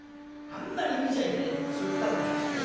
あんなに見ちゃいけねえってそう言ったんだからね